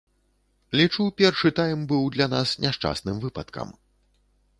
Лічу, першы тайм быў для нас няшчасным выпадкам.